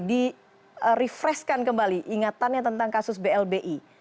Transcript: di refreshkan kembali ingatannya tentang kasus blbi